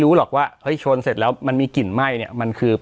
หรอกว่าเฮ้ยชนเสร็จแล้วมันมีกลิ่นไหม้เนี่ยมันคือ